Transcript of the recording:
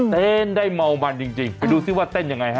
เต้นได้เมามันจริงไปดูซิว่าเต้นยังไงฮ